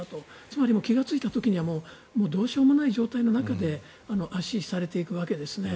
つまり気がついた時にはもうどうしようもない状態の中で圧死されていくわけですよね。